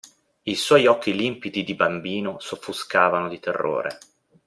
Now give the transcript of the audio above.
I suoi occhi limpidi di bambino s'offuscavano di terrore.